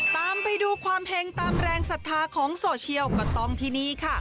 ตามไปดูความเห็งตามแรงศรัทธาของโซเชียลก็ต้องที่นี่ค่ะ